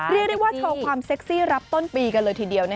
เรียกได้ว่าโชว์ความเซ็กซี่รับต้นปีกันเลยทีเดียว